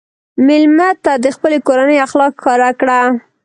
مېلمه ته د خپلې کورنۍ اخلاق ښکاره کړه.